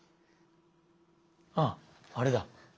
あっあれだ。